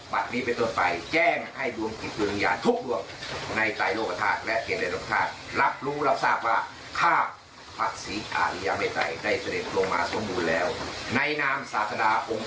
วัดนี้ไปต่อไปแจ้งให้ดวงกิจยุนยานทุกดวงในใต่โลกปภาษน์